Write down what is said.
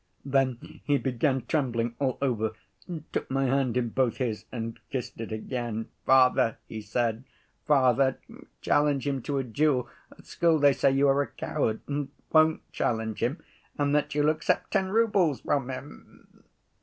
Then he began trembling all over, took my hand in both his and kissed it again. 'Father,' he said, 'father, challenge him to a duel, at school they say you are a coward and won't challenge him, and that you'll accept ten roubles from him.